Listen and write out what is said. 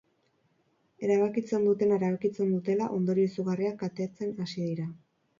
Erabakitzen dutena erabakitzen dutela, ondorio izugarriak kateatzen hasi dira.